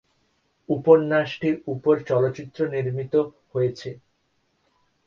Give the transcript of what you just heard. উপন্যাসটির উপর চলচ্চিত্র নির্মিত হয়েছে।